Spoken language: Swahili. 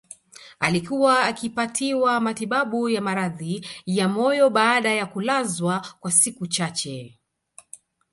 Alikuwa akipatiwa matibabu ya maradhi ya moyo baada ya kulazwa kwa siku chache